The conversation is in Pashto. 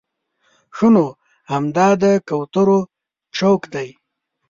ښه نو همدا د کوترو چوک دی.